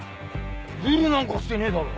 ズルなんかしてねえだろ。